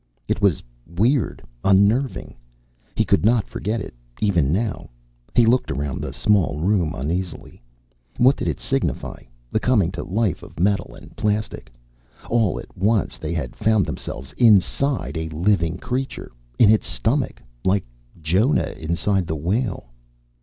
It was weird, unnerving. He could not forget it, even now. He looked around the small room uneasily. What did it signify, the coming to life of metal and plastic? All at once they had found themselves inside a living creature, in its stomach, like Jonah inside the whale.